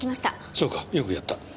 そうかよくやった。